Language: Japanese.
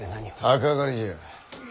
鷹狩りじゃ。